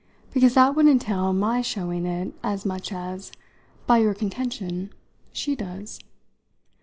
"Because that would entail my showing it as much as, by your contention, she does?